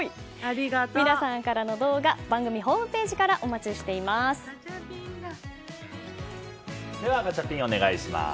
皆さんからの動画番組ホームページからではガチャピン、お願いします。